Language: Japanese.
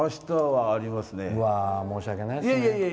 うわ申し訳ないですね。